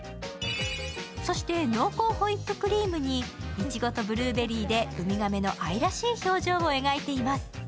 そして濃厚ホイップクリームにいちごとブルーベリーでウミガメの愛らしい表情を描いています。